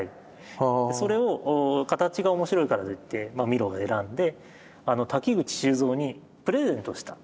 それを形が面白いからといってミロが選んで瀧口修造にプレゼントした。